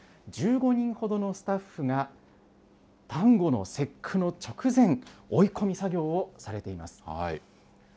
１５人ほどのスタッフが、端午の節句の直前、追い込み作業をされています。